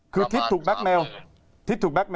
คือทิศถูกแบ็คเมลถูกไหม